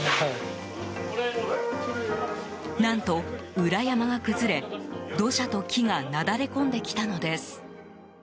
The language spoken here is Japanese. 何と、裏山が崩れ土砂と木がなだれ込んできたのです。